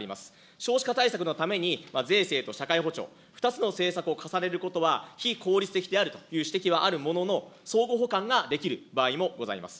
少子化対策のために税制と社会保障、２つの政策を重ねることは非効率的であるという指摘はあるものの、相互補完ができる場合もございます。